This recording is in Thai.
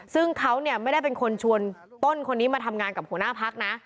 ซึ่งเขาเนี่ยไม่ได้เป็นคนชวนต้นคนนี้มาทำงานกับหัวหน้าพักนะ